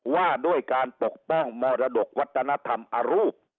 ว่าด้วยการปกป้องมรดกวัฒนธรรมอรูป